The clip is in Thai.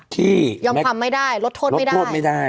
ที่ยอมความไม่ได้ลดโทษไม่ได้โทษไม่ได้